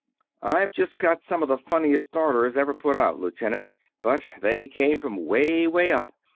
"I've just got some of the funniest orders ever put out, lieutenant, but they came from 'way, 'way up.